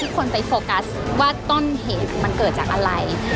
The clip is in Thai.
ผมไม่เคยทำผิดต่อคุณเจนี่